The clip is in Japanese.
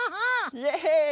イエイ！